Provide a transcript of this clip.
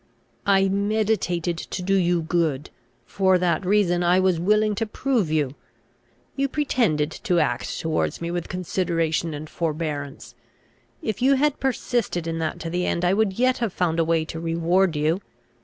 "I meditated to do you good. For that reason I was willing to prove you. You pretended to act towards me with consideration and forbearance. If you had persisted in that to the end, I would yet have found a way to reward you.